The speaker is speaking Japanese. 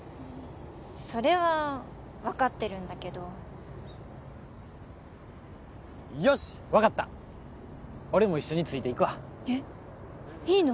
それは分かってるんだけどよし分かった俺も一緒についていくわえっいいの？